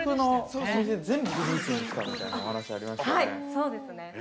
◆そうですね。